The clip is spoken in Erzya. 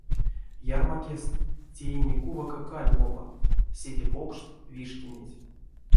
Ярмаккест — теине-кувака каль лопат, седе покшт, вишкинеть.